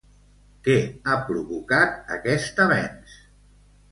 Què ha provocat aquest avenç?